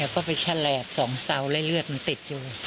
ก็ไปแฉลบสองเซาแล้วเลือดมันติดอยู่